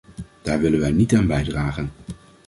Daar willen wij niet aan bijdragen.